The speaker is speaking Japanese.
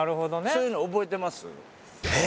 そういうの覚えてます？